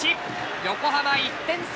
横浜、１点差。